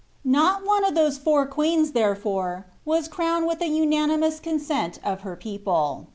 Not one of those four queens, therefore, was crowned with the unanimous consent of her people.